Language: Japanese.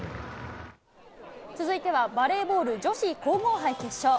続いてはバレーボール女子皇后杯決勝。